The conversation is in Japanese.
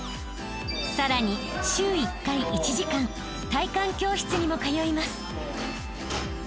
［さらに週１回１時間体幹教室にも通います］